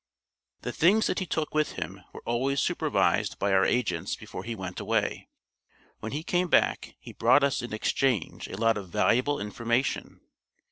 The things that he took with him were always supervised by our agents before he went away. When he came back he brought us in exchange a lot of valuable information.